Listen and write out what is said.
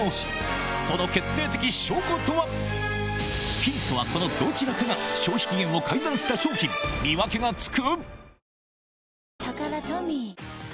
ヒントはこのどちらかが消費期限を改ざんした商品見分けがつく？